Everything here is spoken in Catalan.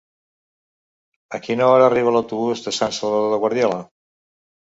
A quina hora arriba l'autobús de Sant Salvador de Guardiola?